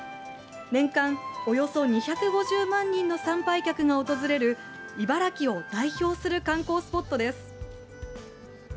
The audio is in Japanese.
年間およそ２５０万人の参拝客が訪れる茨城を代表する観光スポットです。